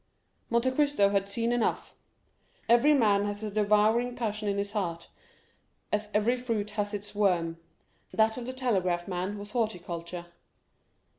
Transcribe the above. Monte Cristo had seen enough. Every man has a devouring passion in his heart, as every fruit has its worm; that of the telegraph man was horticulture.